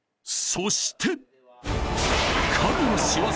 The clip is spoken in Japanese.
［そして］